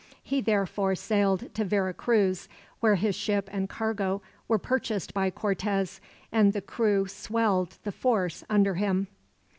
He therefore sailed to Vera Cruz, where his ship and cargo were purchased by Cortez, and the crew swelled the force under him.